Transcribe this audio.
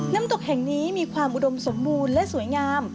น้ำตกแห่งนี้มีความอุดมสมบูรณ์และสวยงาม